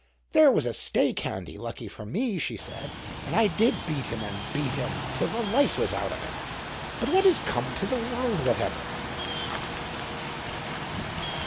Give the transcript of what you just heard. "There was a stake handy, lucky for me," she said, "and I did beat him and beat him till the life was out of him. But what is come to the world, whatever?"